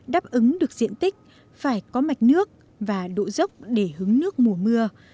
đáp ứng được diện tích phải có mạch nước và độ dốc để hứng nước mùa mưa